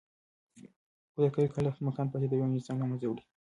قدرت کله کله احمقان فاسدوي او نظام له منځه وړي.